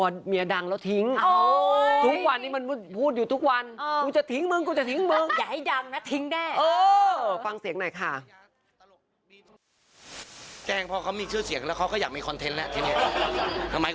เท่าไรรู้ไหมคะพวกเมียดังแล้วทิ้ง